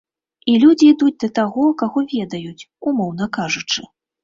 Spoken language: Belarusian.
І людзі ідуць да таго, каго ведаюць, умоўна кажучы.